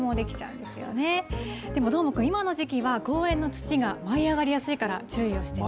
でもどーもくん、今の時期は公園の土が舞い上がりやすいから、注意をしてね。